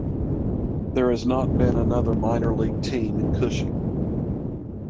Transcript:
There has not been another minor league team in Cushing.